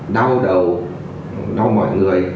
đau đầu đau mọi người